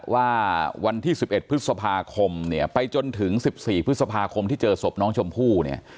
ว่าวันที่๑๑พฤษภาคมเนี่ยไปจนถึง๑๔พฤษภาคมที่เจอศพน้องชมพู่เนี่ย